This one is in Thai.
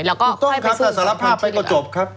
ต้องครับถ้าสารภาพไปก็จบครับ